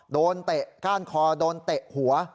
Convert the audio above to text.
โดนเตะคาดคอโดนเตะหัว